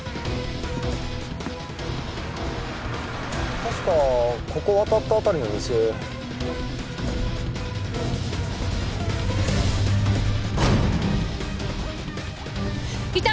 確かここ渡った辺りの店いた！